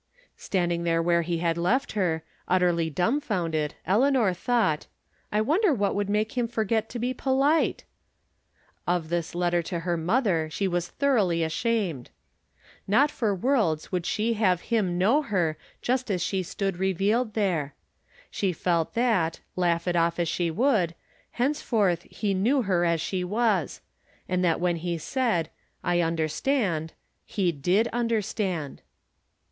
Standing there where he left her, utterly dumbfounded, Eleanor thought : I wonder what From Different Standpoints. 241 would make him forget to be polite ! Of this letter to her mother she was thoroughly ashamed. ' Not for worlds would she have him know her just as she stood revealed there. She felt that, laugh it off as she would, henceforth he knew her as she was ; and that when he said, " I ilnder gtand," he did understand.